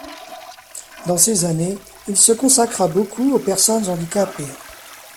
Dans ces années, il se consacra beaucoup aux personnes handicapées.